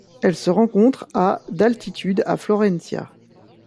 Elle se rencontre à d'altitude à Florencia.